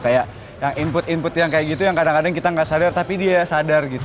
kayak yang input input yang kayak gitu yang kadang kadang kita nggak sadar tapi dia ya sadar gitu